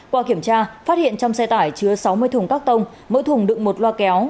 qua kiểm tra phát hiện trong xe tải chứa sáu mươi thùng các tông mỗi thùng đựng một loa kéo